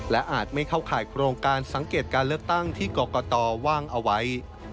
และอาจไม่เข้าข่ายโครงการสังเกตการเลือกตั้งที่กรกตว่างเอาไว้